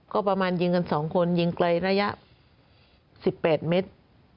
ก็ประมาณยิงกัน๒คนยิงไกลระยะ๑๘เมตร